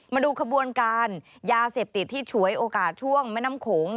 มาดูขบวนการยาเสพติดที่ฉวยโอกาสช่วงแม่น้ำโขง